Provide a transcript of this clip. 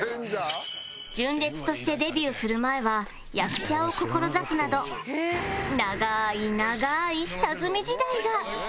純烈としてデビューする前は役者を志すなど長い長い下積み時代が